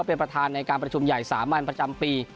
เป็นประธานในการประชุมใหญ่สามัญประจำปี